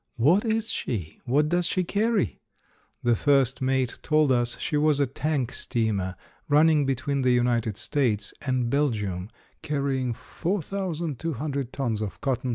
"What is she?" "What does she carry?" The first mate told us she was a tank steamer, running between the United States and Belgium, carrying 4,200 tons of cotton seed oil at a trip.